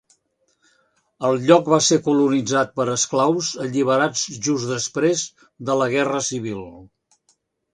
El lloc va ser colonitzat per esclaus alliberats just després de la Guerra Civil.